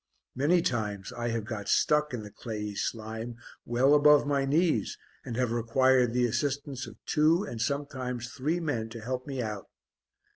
Many times I have got stuck in the clayey slime well above my knees and have required the assistance of two, and sometimes three men to help me out.